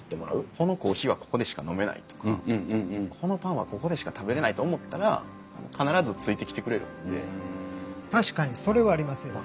このコーヒーはここでしか飲めないとかこのパンはここでしか食べれないと思ったら確かにそれはありますよ。